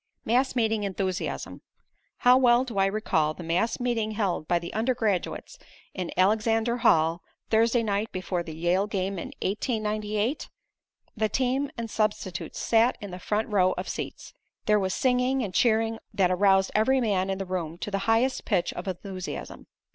MASS MEETING ENTHUSIASM How well do I recall the mass meeting held by the undergraduates in Alexander Hall Thursday night before the Yale game in 1898! The team and substitutes sat in the front row of seats. There was singing and cheering that aroused every man in the room to the highest pitch of enthusiasm.